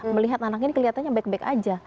melihat anak ini kelihatannya baik baik aja